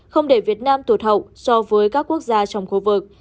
không để việt nam tụt hậu so với các quốc gia trong khu vực